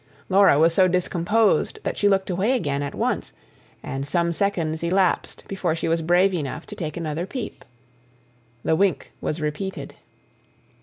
Laura was so discomposed that she looked away again at once, and some seconds elapsed before she was brave enough to take another peep. The wink was repeated.